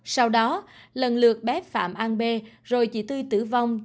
sau đó lần lượt bé phạm an bê rồi chị tư tử vong